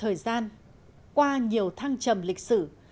thời gian qua nhiều thăng trầm lịch sử